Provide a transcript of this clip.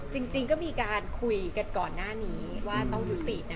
จริงก็มีการคุยกันก่อนหน้านี้ว่าต้องยุตินะ